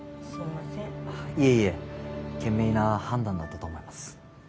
あっいえいえ賢明な判断だったと思います。